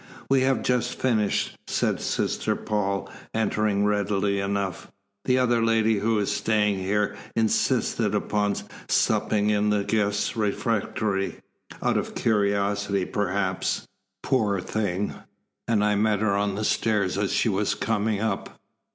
"We have just finished," said Sister Paul, entering readily enough. "The other lady who is staying here insisted upon supping in the guests' refectory out of curiosity perhaps, poor thing and I met her on the stairs as she was coming up."